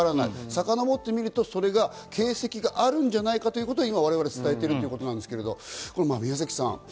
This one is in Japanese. さかのぼってみると、それが形跡があるんじゃないかということを我々は今、伝えているということなんですが、宮崎さん。